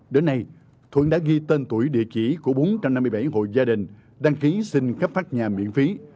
đến nay thuận đã ghi tên tuổi địa chỉ của bốn trăm năm mươi bảy hộ gia đình đăng ký xin cấp phát nhà miễn phí